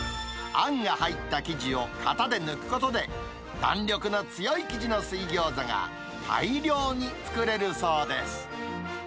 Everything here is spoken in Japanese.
あんが入った生地を型で抜くことで、弾力の強い生地の水ギョーザが大量に作れるそうです。